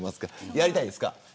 やりたいですか。